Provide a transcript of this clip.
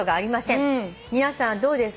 「皆さんどうですか？」